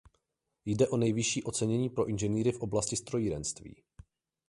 Jde o nejvyšší ocenění pro inženýry v oblasti strojírenství.